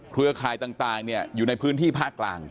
เครือข่ายต่างอยู่ในพื้นที่ภาคกลาง